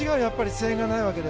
声援がないので。